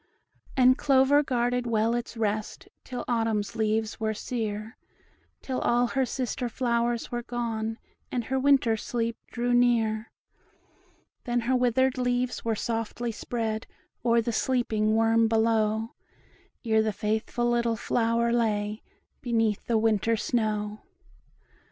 And Clover guarded well its rest, Till Autumn's leaves were sere, Till all her sister flowers were gone, And her winter sleep drew near. Then her withered leaves were softly spread O'er the sleeping worm below, Ere the faithful little flower lay Beneath the winter snow.